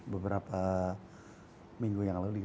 beberapa minggu yang lalu